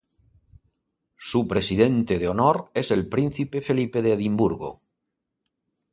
Su presidente de honor es el Príncipe Felipe de Edimburgo.